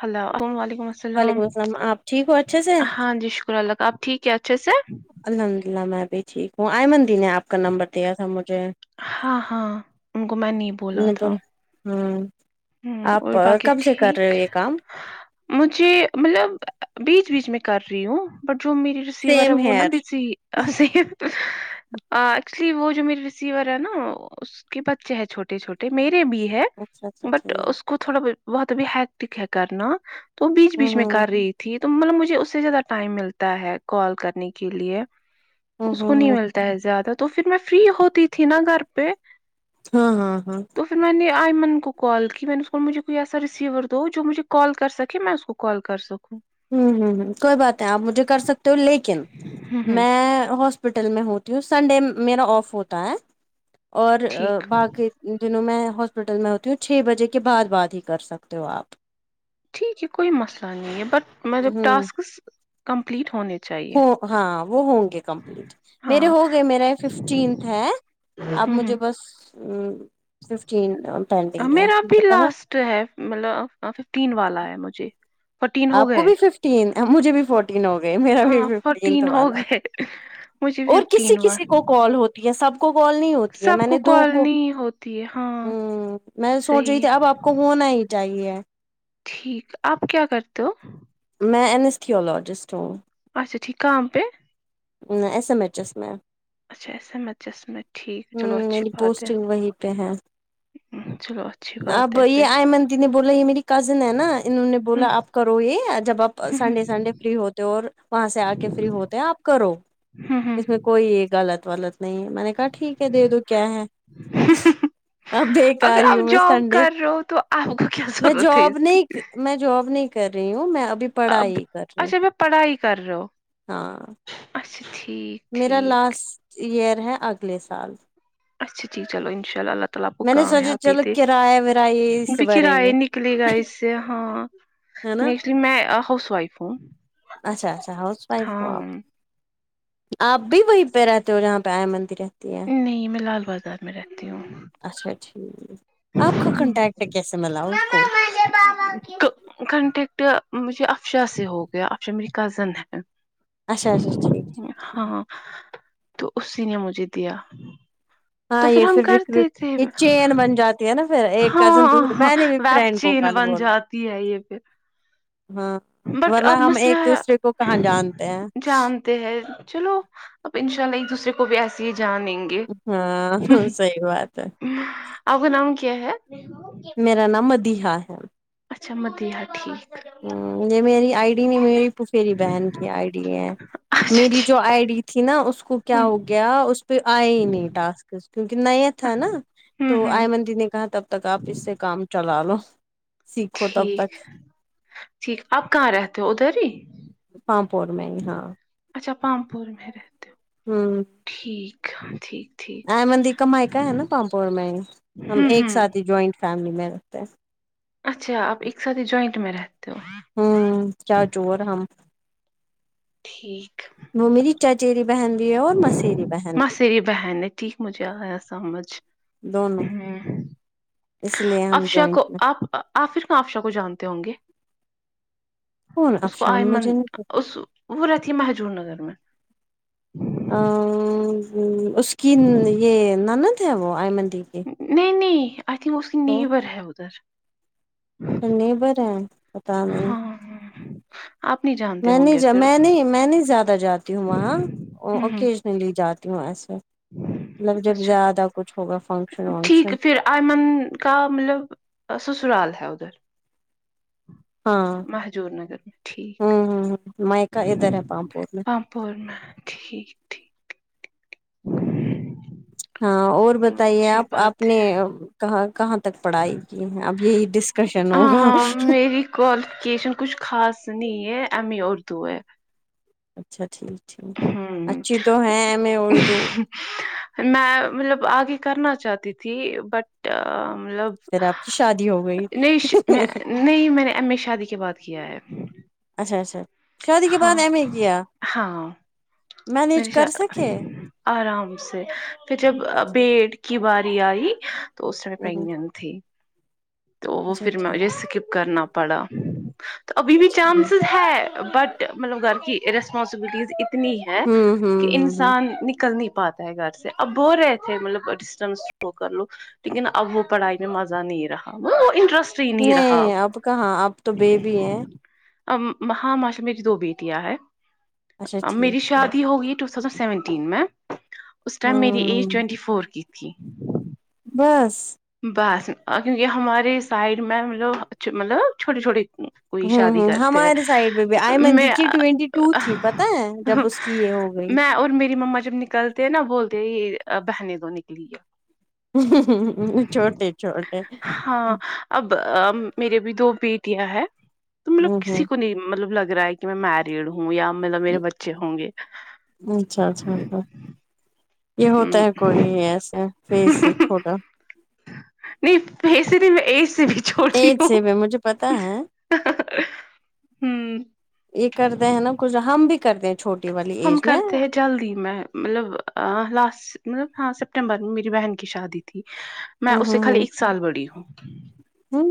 Hello وعلیکم السلام وعلیکم آپ ٹھیک ہو اچھے سے ہاں جی شکر اللہ آپ ٹھیک ہے اچھے سے الحمد للہ میں بھی ٹھیک ہوں آئمن دن آپ کا نمبر دیا تھا مجھے ہاں ہاں ان کو میں نہیں بولا تھا ہوں ہ آپ اور باقی کب سے کر رہے ہو ٹھیک یہ کام مجھے مطلب بیچ بیچ میں کر رہی ہوں ب جو میری کسی بار سیم وہ نا ہیئر بسی ایکچولی وہ جو میری ریسیور ہے نا اس کے بچے ہیں چھوٹے چھوٹے میرے بھی ہے اچھا اچھا بٹ ٹھیک اس کو تھوڑا بہت ابھی ہیکٹک ہے کرنا تو وہ بیچ ہوں بیچ میں ہوں کر رہی تھی تو مطلب مجھے اس سے زیادہ ٹائم ملتا ہے کال کرنے کے لیے ہوں اس کو ہوں نہیں ہوں ملتا ہے زیادہ تو پھر میں فری ہوتی تھی نا گھر پہ ہاں ہاں ہاں تو پھر میں نے آئی من کو کال کی میں نے اس کو مجھے کوئی ایسا رسیور دو جو مجھے کال کر سکے میں اس کو کال کر سکوں ہوں ہوں ہ کوئی بات نہیں آپ مجھے کر سکتے ہو لیکن ہوں ہوں میں ہاسپٹل میں ہوں سنڈے میرا آف ہوتا ہے اور ٹھیک باقی دنوں میں ہاسپٹل میں ہوتی ہوں چھ بجے کے بعد بعد ہی کر سکتے ہو آپ ٹھیک ہے کوئی مسئلہ نہیں ہے بٹ مطلب ہوں ٹاسکس کمپلیٹ ہونے چاہیے ہاں وہ ہوں گے کمپلیٹ میرے ہاں ہو گئے میرا یہ ففٹینتھ ہے اب ہوں ہوں مجھے بس ففٹین آ، پینڈنگ ہے میرا ابھی بتاا لاسٹ ہے مطلب ففٹین والا ہے مجھے فورٹین ہو آپ کو گئے بھی ففٹین مجھے بھی فورٹین ہو گئے میرا بھی ہاں ففٹین فورٹین ہو والا ہے گئے مجھے اور کسی ففٹین کسی وال کو کال ہوتی ہے سب کو کال نہیں ہوتی ہے سب میں نے دو کال کو نہیں ہوتی ہے ہ ہاں میں سوچ صحیح رہی ہے۔ تھی اب آپ کو کو ہونا ہی چاہیے ٹھیک آپ کیا کرتے ہو میں اینستھیزیالوجسٹ ہوں اچا ٹھیک کم پ ایس ایم ایچ ایس میں اچھا ایس ایم ایچ ایس میں ٹھیک چلو ہمم اچھی میری بات ہے پوسٹنگ وہی پہ ہے ہم، چلو اچھی بات اب ہے یہ پھر آئمنتی نے بولا یہ میری کزن ہے نا انہوں نے بولا ہم، آپ کرو یہ جب آپ ہم، سنڈے سنڈے ہم، فری ہوتے اور وہاں سے آ کے فری ہوتے ہیں آپ کرو ہم، ہم۔ اس میں کوئی غلط غلط نہیں ہے میں نے کہا ٹھیک ہے دے دو کیا ہے اب اگر بیکار ہی آپ ہوں میں جاب سنڈے کر رہے ہو تو آپ کو کیا میں ضرورت ہے جاب اس کی نہیں میں جاب نہیں کر رہی ہوں میں اب اچھا میں پڑھائی کر رہ ہو ہاں اچھا ٹھیک میرا ٹھیک لاسٹ ایئر ہے اگلے سال اچا جٹھیک چلو انشاء اللہ تعالی آپ کو میں نے سوچا کامیابی چلو دے کرایہ ورایہ اس اب سے بھریں کرایہ گے نکلے گا اس سے ہاں ہے نا نیکسٹ جی میں ہاؤس وائف ہوں اچھا اچھا ہاؤس وائف ہو ہاں آپ آپ بھی وہیں پہ رہتے ہو جہاں پہ آئے مندر ہے نہیں میں لال بازار میں رہتی ہوں اچھا ٹھیک آپ کا ہم۔ کنٹیکٹ کیسے ملا اس کو کانٹیکٹ مجھے افشا سے ہو گیا افشا میری کزن ہے اچا اچا ٹھیک ٹھیک ہاں تو اسی نے مجھے دیا تو ہاں یہ ہم پھر ر کرتے تھے یہ چین بن جاتا ہے نا پھر ایک کزن ہاں دوسری ہاں میں نے بھی ویب فرینڈ کو چین کل بن بولا جاتی ہے یہ پھر ہاں بٹ ورہ اب ہم ایک مسئلہ دوسرے کو کہاں جانتے ہیں جانتے ہیں چلو اب ان شاء اللہ ایک دوسرے کو بھی ایسے ہی جانیں گے ہاں صحیح بات ہے آپ کا نام کیا ہے میرا نام مدیحہ ہے اچھا مدیہ ٹھیک ہمم یہ میری آئی ڈی نہیں میری پفیری بہن کی آئی ڈی ہے اچھا میری جو ٹھیک آئی ڈی تھی نا اس کو کیا ہ ہو گیا اس پہ آیا ہی نہیں ٹاسک کیونکہ نہیں تھا نا ہ تو ہ آئی مندی نے کہا تب تک آپ اس سے کام چلا لو سیکھو تب ٹھیک تک ٹھیک آپ کہاں رہتے ہو ادھر ہی پامپور میں ہی ہاں اچھا پامپور میں رہتے ہو ہوں ٹھیک ٹھیک ٹھیک ای مندی کمائ کا ہے نا پامپور میں ہم ہوں ایک ہوں سات ہی جوائنٹ فیملی میں رہتے ہیں اچھا آپ ایک ساتھ ہی جوائنٹ میں رہتے ہو ہوں کیا جوور ہم ٹھیک [unintelligible] بہن بھی ہے اور مسیری بہن بھی مسیری بہن نے ٹھیک مجھے آیا سمجھ دونوں ہمم اس لیے ہم اف شاہ جوائنٹ کو میں آپ آپر ن آفشاہ کو جانتے ہوں گے کون اس کو آئے افشان من مجھے نہیں اس وہ رہتی مہجور نگر میں امم اس کی یہ نند ہے وہ آئ منندی کی نہیں نہیں آئی تھنک اس کی تو نیبر ہے ادھر نیبر ہے پتا میں ہاں آپ نہیں جانتے میں ہوں نہیں گے جا پھر میں ہوں نہیں میں نہیں زیادہ جاتی ہوں وہاں ہوں اوکیجنلی جاتی ہوں ایسے مگ جب اچھا زیادہ کچھ ہوگا فنگشن ونگشن ایئمن کا ملب سسرال ہے ادھر ہاں مہجور نگر میں ٹھیک ہوں ہوں میکا ادھر ہے پامپور میں اور میں ٹھیک ٹھیک ہاں اور بتائیے اچھی آپ آپ بات نے ہے کہاں کہاں تک پڑھائی کی ہے اب یہ ڈسکشن ہوگا کووالیفکیشن کچھ خاص نہیں ہے ایم اے اردو ہے اچھا ٹھیک ٹھیک ہوں اچھی تو ہے ایم اے اردو میں ملب آگے کرنا چاہتی تھی بٹ ملب پھر آپ کی شادی ہو گئی نہیں میں نہیں میں نے ایم اے شادی کے بعد کیا ہے اچھا اچھا شادی کے ہاں بعد ایم اے کیا مینج میرے ش کر سکے آرام سے پھر جب بیڈ کی باری آئی تو اسٹ پریگنٹ تھی تو وہ اچھا پھر میں ٹھیک مجھے ہے اسکپ کرنا پڑا تو ابھی بھی چانسیز ہے بٹ ملب گر کی ریسپانسبلٹیز اتنی ہے ہوں ہوں کہ ان ہوں ہوں سن نکل نہیں پاتا ہے گھر سے اب بولرہے تھے مطلب ڈسٹینس ش [unintelligible] رو کر لوگ لیکن اب وہ پڑھائی میں مزہ نہیں رہا وہ انٹرسٹ ہی رہا نہیں آپ کہاں آپ تو بے بی ہے ا ماں ماشا میری دو بیٹیاں ہے اچھا ٹھیک میری ٹھیک شادی ہوگئی تو ٹو تھوزینڈ سیونٹین میں اس ٹائم میری ایج ہوں ٹوینٹی فور کی تھی بس بس اگر یہ ہمارے سائڈ میں ہے جو ا مطلب چھوٹے چھوٹے کوئی ہوں شادی ہوں کرتے ہیں ہمارے سائڈ پہ بھی آئمن میں دیکھیے ٹوینٹی ٹو تھی پتہ ہے جب اس کی یہ ہو گئی میں اور میری مما جب نکلتے ہیں نا بولتے ہے یہ بہنے دو نکلی ہے چھوٹے چھوٹے ہاں ہوں اب میرے بھی دو بیٹیاں ہیں تو ملب ہوں کسی کو نہیں ملب لگ رہا ہے کہ میں میرڈ ہوں یا ملب میرے بچے ہوں گے اچھا اچھا اچھا یہ ہوتا ہم، ہے کوئی ایسا فیس سے چھوٹا [unintelligible] ایج ہوں سیم ہے مجب پتا ہے ہ یہ کرتے ہیں نا کچھ ہم بھی کردے چھوٹی والی ہم ایج میں کرتے ہیں جو جلدی میں ملب لاسٹ ملب ہاں سپٹمبر میں میری بہن کی شادی تھی میں ہوں اس سے ہوں خالی ہوں ایک سال بڑی ہوں ہوں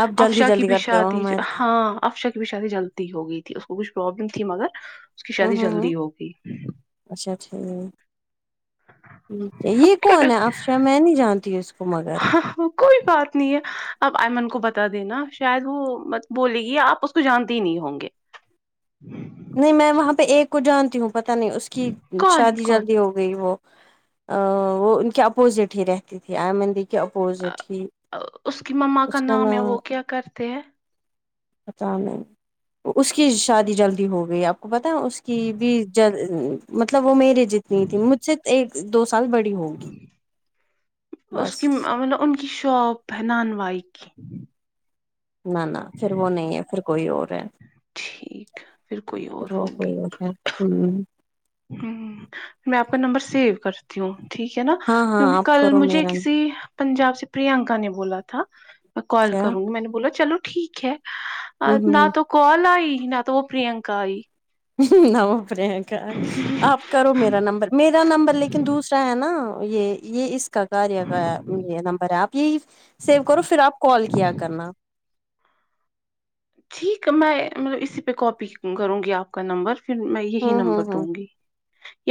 آپ جلدی افشا کی جلدی بھی کرتے ہو شادی ہمارے ہاں افشا کی بھی شادی جل ہو گئی تھی اس کو کچھ پرابلم تھی مگر اس کی ہوں شادی ہوں ہوں جلدی ہوگئی اچھا ٹھیک ٹھیک ہے یہ اب کیا کون ہے کرتے افشا میں نہیں جانتی ہوں اس کو تو مگر کوئی بات نہیں ہے آپ ایئمن کو بتا دینا شاید وہ بولے گی آپ جانتے ہی نہیں ہوں گے نہیں میں وہاں پہ ایک کو جانتی ہوں پتہ نہیں اس کی کون شادی کون جلدی ہو گئی وہ وہ ان کے اپوزٹ ہی رہتی تھی آئ مندی کے اپوزٹ ہی اس کی مما اس کا ہے نام وہ کیا کرتے ہیں پتا نہیں اس کی شادی جلدی ہو گئی آپ پتا اس کی بھی ج مطلب وہ میری جتنی تھی مجھ سے ایک دو س کل بڑی ہو اس کی ملب ان کی شوپ ہے نان وائی کی نہ نہ پھر وہ نہیں ہے پھر کوئی اور ہے ٹھیک پھر کوئی اور تو کوئی ہ ہ میں آپ کا نمبر سیو کرتی ہوں ٹھیک ہے نا ہاں ہاں کیونکہ آپ کل کرو مجھے میرا کسی پنجاب سے پرینکا نے بولا تھا کال کیا کروں گی میں نے بولا چلو ٹھیک ہے ہوں نہ ہوں تو کال آئی نہ تو وہ پررینکا آئی نم پرییاکا آپ کرو میرا نمبر میرا نمبر لیکن دوسرا ہے نا یہ یہ اس کاار کا یہ نمبر ہے آپ یہی سیو کرو پھر آپ کال کیا کرنا ٹھیک ہے میں مطلب اسی پہ کاپی کروں گی آپ کا نمبر پھر میں یہی ہوں نمبر ہوں دوں ہوں گی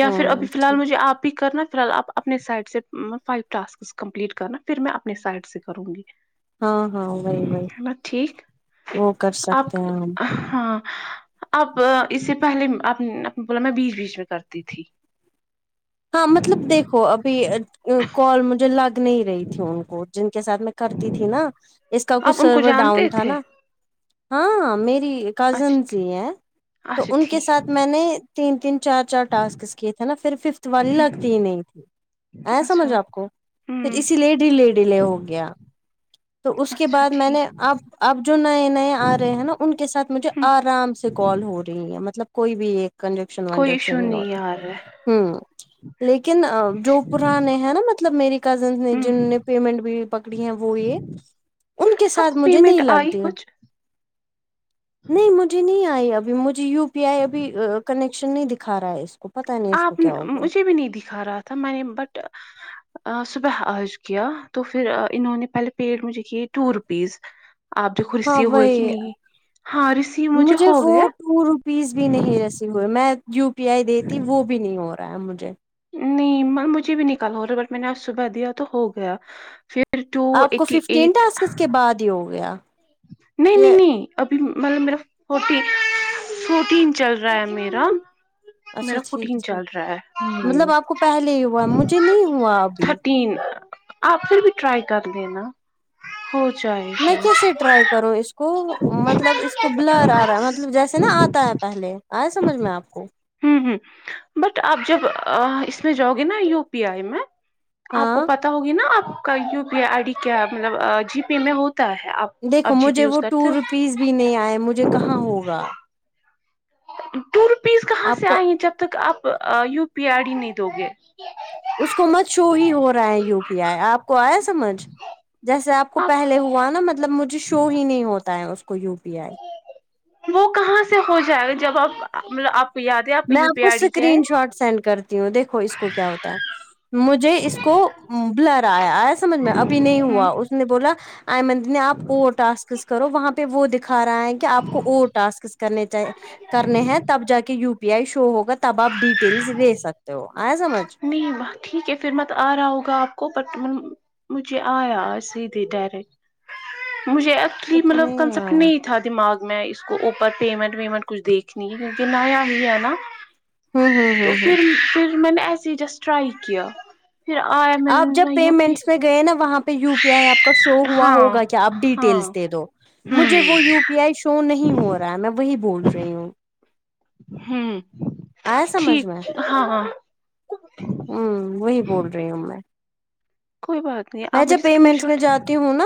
یا پھر ابھی ہوں فی الحال مجھے آپ ہی کرنا فی الحال آپ اپنے سائڈ سے فو ٹاسک کمپلیٹ کرنا پھر میں اپنے سائڈ سے کروں گی ہاں ہاں وہی وہی ہے نا ٹھیک وہ کر سکتے ہیں ہم اب اسے پہلےپ بولا میں بیچ بیچ میں کرتی تھی ہاں مطلب دیکھو ابھی کال مجھے لگ نہیں رہی تھی ان کو جن کے ساتھ میں کرتی تھی نا اس کا آپ کچھ ان کو سرور جانتے ڈاؤن تھا تھے نا ہاں میری کزنس اچھا ہی ہیں تو اچھا ان کے ٹھیک ساتھ میں نے تین تین چار چار ٹاسکس کی تھے نا پھر ففتھ والی لگتی ہی نہیں تھی ای اچھا سمجھ آپ کو پھر ہوں اسی لیے ڈی لیے ڈی لے ہو گیا تو اس کے اچھا بعد میں نے ٹھیک اب اب جو نئے نئے آ رہے ہیں نا ان کے ساتھ مجھے ہ آرام سے کال ہو رہی ہے مطلب کوئی بھی ایک کنج کوئی ایشو وجشن نہیں ہوتا یار ہ ہ لیکن جو پرانے ہیں نا مطلب میری کزنس نے جن نے پیمنٹ بھی پکڑی ہے وہ یہ ان کے آپ ساتھ کو مجھے نہیں پیمنٹ لگ آئی دیا کچھ نہیں مجھے نہیں آئی ابھی مجھے یو پی آئی ابھی کن ن نہیں دکھا رہا ہے اس کو پتا نہیں اس کو آپ کیا ہو گیا مجھے بھی نہیں دکھا رہا تھا میں نے بٹ صبح آج گیا تو پھر انہوں نے پہلے پیٹ مجھے کی ٹو روپیز آپ دیکھو ہاں ریسیو ہوئے کہ وہی نہیں ہاں ریسیو مجھے ہو گیا ٹو روپیز بھی نہیں رسی ہوئے میں یو پی آئی دیتی وہ بھی نہیں ہو رہا ہے مجھے نہیں مجھے بھی نکال ہو رہا بٹ میں نے آج صبح دیا تو ہو گیا پھر ای ٹو ایٹی ایٹ باد ہو گیا نہیں نہیں یہ نہیں ابھی مطلب میرا فورٹ فورٹین چل رہا ہے میرا اچھا میرا ٹھیک فورٹین ٹھیک چل رہا ہے مطلب ہوں آپ کو پہلے ہی ہوا مجھے نہیں ہوا ابھی تین آپ پھر بھی ٹرائی کر لینا ہو جائے میں گا کیسے ٹرائی کروں اس کو کو مطلب اس کو بلر آ رہا ہے مطلب جیسے نا آتا ہے پہلے آئے سمجھ میں آپ کو ہوں ہوں بٹ آپ جب اس میں جاؤ گے نا یو پی آئی میں آپ کو ہاں پتا ہوگی نا آپ کا U P I I D کیا مطلب جی پے میں ہوتا ہے آپ دیکھو آپ جی پے مجھے یوز وہ ٹو کرتے روپیز بھی ہو نہیں آئے مجھے کہاں ہوگا دو روپیز کہاں آپ سے کو آئی ہیں جب تک آپ یو پی آئی ڈی نہیں دو گے اس کو مت شو ہی ہو رہا ہے یو پی آئی آپ کو آیا سمجھ جیسے آپ کو پہلے ہوا نا مطلب مجھے شو ہی نہیں ہوتا ہے اس کو یو پی آئی وہ کہاں سے ہو جائے گا جب آپ مطلب آپ کو یاد ہے کا میں یو آپ پی کو آئی ڈی کیا ہے اسکرین شاٹ سینڈ کرتی ہوں دیکھو اس کو کیا ہوتا ہے مجھے اس کو بلرایا آیا سمجھ میں ابھی نہیں ہوں ہوا اس نے بولا آئ مندر نے آپ اور ٹسکس کرو وہاں پہ وہ د کھا رہا ہے کہ آپ کو اورور ٹسک کرنےچھ کرنے ہیں تب جا کے یو پی آئی شو ہوگا تو تب آپ ڈیٹیل دے سکتے ہو آئے سمجھ نہیں ب ٹھیک ہے پھر میں تو آ رہا ہوگا آپ کو پتا مجھے آیاج سیدھے ڈائریکٹ مجھے ایکچولی مجھے مطلب آیا کنسپٹ نہیں تھا دماغ میں اس کو اوپر پیمنٹ ویمنٹ کچھ دیکھنی ہے کیونکہ نیا ہی ہے نا ہوں ہوں تو ہوں ہوں پھر پھر میں نے ایسے ہی جسٹ ٹرائی کیا پھر آیا م آپ جب نے یو پی پیمنٹس میں گئے نا وہاں پہ یو پی آئی آپ کا شو ہوا ہاں ہوگا کہ آپ ہاں ڈیٹیلس دے دو مجھے وہ ہوں یو پی پی آئی شو نہیں ہو رہا ہے میں وہی بول رہی ہوں ہوں آیا سمجھ ٹھیک میں ہاں ہوں وہی بول رہی ہوں میں کوئی بات نہیں میں آپ جب مجھے اسکرین پیمنٹس میں شاٹ جاتی ہوں نا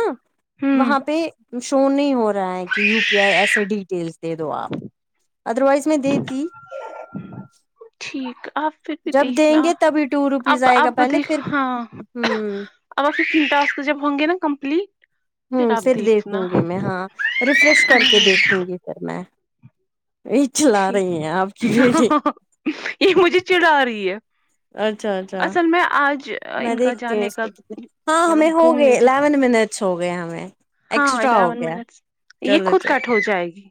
ہوں وہاں پہ شو نہیں ہو رہا ہے کہ یو پی آئی ایسے ڈیٹیلس دے دو آپ ادروائز اس میں دے تھی ٹھیک آپ پھر بھی جب دیں دیکھنا گے تبھی ٹو روپیز اب آئے گا اب پہلے دیکھ پھر ہاں ہوں اب آ چنتا کے جب ہوں گےا کمپلیٹ ہوں آپ پھر دیکھنا دیکھوں گی میں ہاں ریفریش کر کے دیکھوں گی پھر میں یہ چلا ٹھیک رہی ہیں آپ کی بھییٹی یہ مجھے چڑا رہی ہے اچھا اچھا اصل میں آج میں ان کا دیکھتی ہوں جانے اس کا کو کت ہاں مطلب ہمیں ہوگئے گھومنے ج الیون منٹ سو ہو گیا ہمیں ہاں ایکسٹرا ہو ادھاون گیا منٹس یہ چلو خود چلو کٹ ہو جائے گی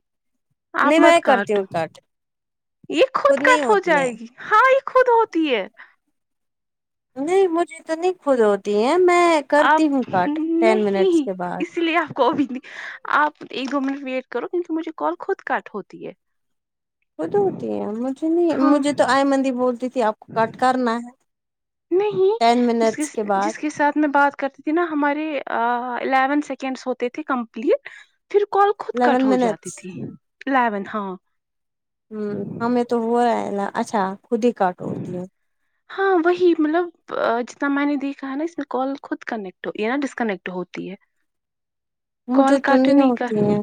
آپ نہیں مت میں کرتی کاٹو ہوں کٹ یہ خود نہیں کٹ ہو ہوتی ہے جائے گی ہاں یہ خود ہوتی ہے نہیں مجھے اتنی خود ہوتی ہیں میں کرتی ہوں آپ کٹ ٹین منٹس نہیں کے بعد اسی لیے آپ کو ابھی آپ ایک دو منٹ ویٹ کرو کیونکہ مجھے کال خود کٹ ہوتی ہے خود ہوتی ہے مجھے نہیں ہاں مجھے تو آئی مندی بولتی تھی آپ کو کاٹ کرنا ہے نہیں ٹین منٹس جس بعد جس کے ساتھ میں بات کرتی نا ہمارے الیون سیکنڈ ہوتے تھے کمپلیٹ پھر کال خود کٹ الیون ہو جاتی منٹس تھی الیون ہاں ہ ہمیں تو ہو ہے اچھا خود ہی کاٹ ہوتی ہے ہاں وہی مطلب جتنا میں نے دیکھا ہے نا اس میں کال خود کنیکٹ ہو ہے نا ڈس کنیکٹ ہوتی ہے کال مجھے توندیاں کاٹنے کا ہوتی ہیں